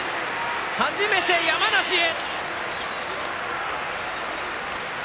初めて山梨へ！